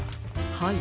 ☎はい。